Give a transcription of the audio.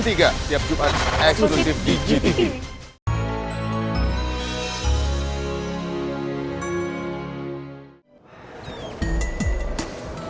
tiap jumat eksklusif di gtv